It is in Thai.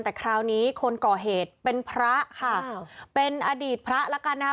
แต่คราวนี้คนก่อเหตุเป็นพระค่ะเป็นอดีตพระแล้วกันนะคะ